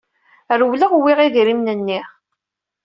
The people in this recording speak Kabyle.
Rewleɣ, wwiɣ idrimen-nni.